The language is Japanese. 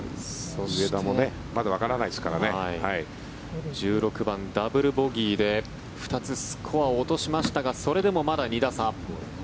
そして、１６番ダブルボギーで２つスコアを落としましたがそれでもまだ２打差。